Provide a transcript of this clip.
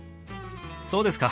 そうですか？